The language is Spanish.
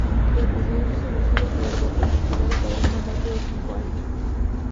El presidente es elegido por el voto popular para un mandato de cinco años.